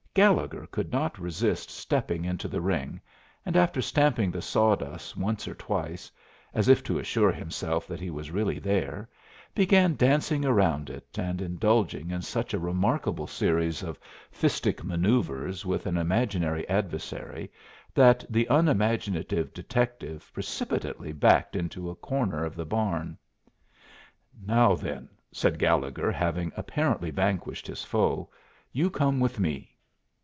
Gallegher could not resist stepping into the ring, and after stamping the sawdust once or twice, as if to assure himself that he was really there, began dancing around it, and indulging in such a remarkable series of fistic manoeuvres with an imaginary adversary that the unimaginative detective precipitately backed into a corner of the barn. "Now, then," said Gallegher, having apparently vanquished his foe, "you come with me."